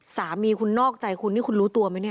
สามีคุณนอกใจคุณนี่คุณรู้ตัวไหมเนี่ย